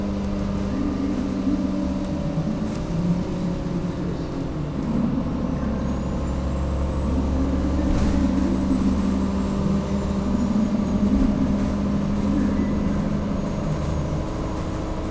But I beg of you, do not imitate too closely the women of the country; for however diverting, one should constantly remember that all of them are bour geoisie.